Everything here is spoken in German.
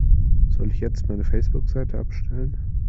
Soll ich jetzt meine Facebookseite abstellen?